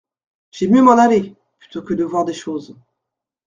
J’aime mieux m’en aller ! plutôt que de voir des choses…